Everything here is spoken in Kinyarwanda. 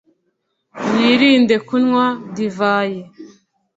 wirinde kunywa divayi